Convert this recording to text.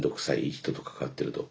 人と関わってると。